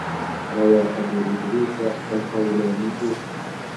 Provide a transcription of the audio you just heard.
رَوَى أَبُو إدْرِيسَ الْخَوْلَانِيُّ